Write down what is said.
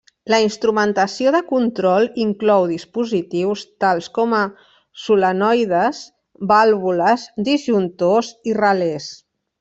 La instrumentació de control inclou dispositius tals com a solenoides, vàlvules, disjuntors i relés.